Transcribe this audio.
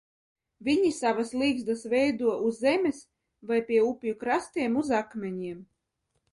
Viņi savas ligzdas veido uz zemes vai pie upju krastiem uz akmeņiem.